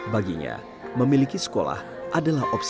baginya memiliki sekolah adalah opsi